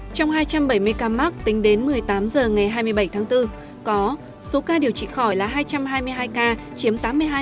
trong hai trăm bảy mươi ca mắc tính đến một mươi tám h ngày hai mươi bảy tháng bốn có số ca điều trị khỏi là hai trăm hai mươi hai ca chiếm tám mươi hai